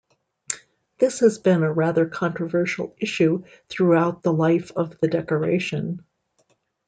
This has been a rather controversial issue throughout the life of the decoration.